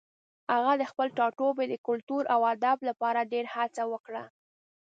هغه د خپل ټاټوبي د کلتور او ادب لپاره ډېره هڅه وکړه.